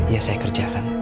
ya saya kerjakan